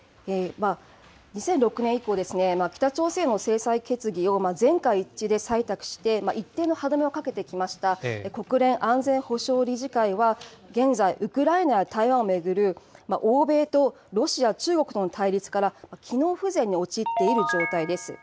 ２００６年以降、北朝鮮への制裁決議を全会一致で採択して、一定の歯止めをかけてきました、国連安全保障理事会は、現在、ウクライナや台湾を巡る欧米とロシア、中国との対立から機能不全に陥っている状態です。